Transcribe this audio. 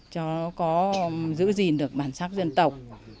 cho có giữ gìn được bản sắc dân tộc